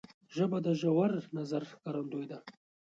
ژبه د ژور نظر ښکارندوی ده